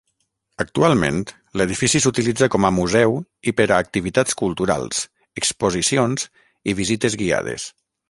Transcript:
Actualment, l'edifici s'utilitza com a museu i per a activitats culturals, exposicions i visites guiades.